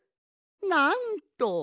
なんと！